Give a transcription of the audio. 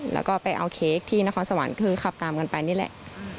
แล้วก็ไปเอาเค้กที่นครสวรรค์คือขับตามกันไปนี่แหละ